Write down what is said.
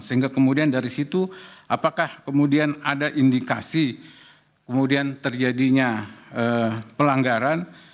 sehingga kemudian dari situ apakah kemudian ada indikasi kemudian terjadinya pelanggaran